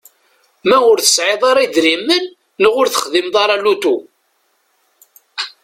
Ma ur tesɛiḍ ara idrimen neɣ ur texdimeḍ ara lutu.